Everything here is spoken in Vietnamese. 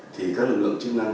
thì các lực lượng chức năng